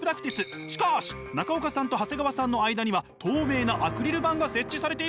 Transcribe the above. しかし中岡さんと長谷川さんの間には透明なアクリル板が設置されているんです。